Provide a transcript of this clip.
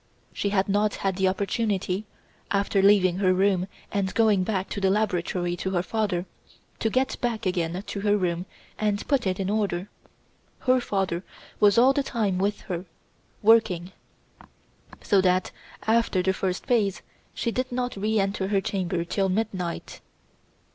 She had not had the opportunity, after leaving her room and going back to the laboratory to her father, to get back again to her room and put it in order. Her father was all the time with her, working. So that after the first phase she did not re enter her chamber till midnight.